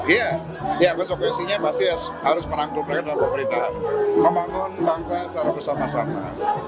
iya ya konsekuensinya pasti harus merangkul mereka dalam pemerintahan membangun bangsa secara bersama sama